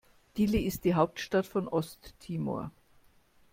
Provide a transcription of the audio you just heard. Dili ist die Hauptstadt von Osttimor.